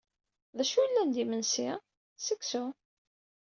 D acu yellan d imensi? D seksu.